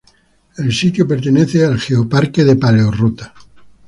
Sitio pertenece a lo geoparque de Paleorrota.